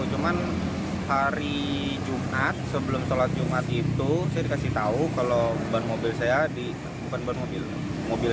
cuman hari jumat sebelum sholat jumat itu saya dikasih tahu kalau ban mobil saya di bukan ban mobil mobil